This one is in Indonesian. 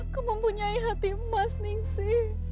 kau mempunyai hati emas ning si